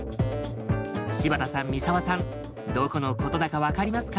柴田さん三澤さんどこのことだか分かりますか？